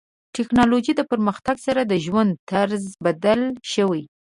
ټکنالوژي پرمختګ سره د ژوند طرز بدل شوی.